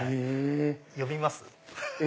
呼びます？